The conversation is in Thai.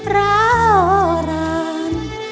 ร้าอ่อหร่าน